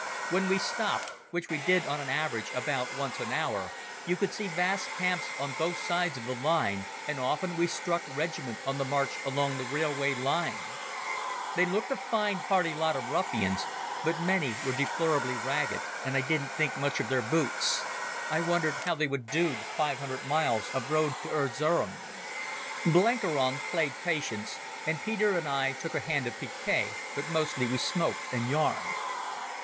When we stopped—which we did on an average about once an hour—you could see vast camps on both sides of the line, and often we struck regiments on the march along the railway track. They looked a fine, hardy lot of ruffians, but many were deplorably ragged, and I didn't think much of their boots. I wondered how they would do the five hundred miles of road to Erzerum. Blenkiron played Patience, and Peter and I took a hand at picquet, but mostly we smoked and yarned.